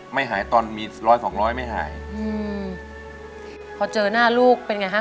ไม่หายตอนมีร้อยสองร้อยไม่หายอืมพอเจอหน้าลูกเป็นไงฮะ